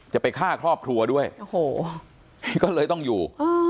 จะไปฆ่าครอบครัวด้วยโอ้โหก็เลยต้องอยู่